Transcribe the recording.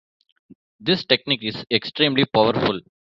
This technique is extremely powerful.